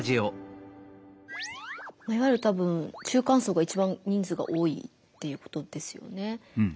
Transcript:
いわゆるたぶん中間層が一番人数が多いっていうことですよね。